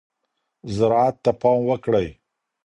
زراعت ته پام وکړئ.